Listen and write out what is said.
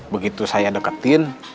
begitu saya deketin